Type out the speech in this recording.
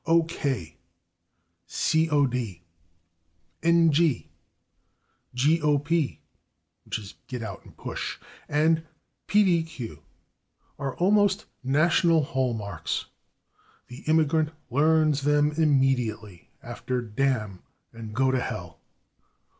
" /O. K./, /C. O. D./, /N. G./, /G. O. P./ (get out and push) and /P. D. Q./, are almost national hall marks; the immigrant learns them immediately after /damn/ and /go to hell